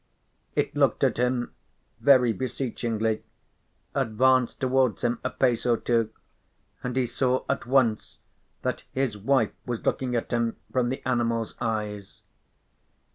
_ It looked at him very beseechingly, advanced towards him a pace or two, and he saw at once that his wife was looking at him from the animal's eyes.